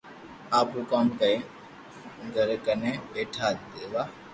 آپرو ڪوم ڪرين گراڪني پيئا ليوا